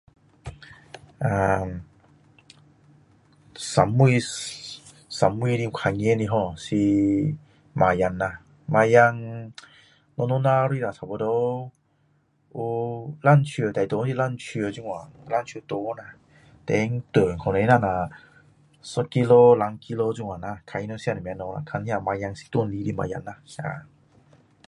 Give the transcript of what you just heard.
呃…最后最后的看见的 ho 是猫仔啦猫仔小小只的啦差不多有两尺最长的两尺这样两尺长啦 then 重可能只有一公斤两公斤这样啦看它们吃什么东西看那猫仔是哪里来的猫仔啦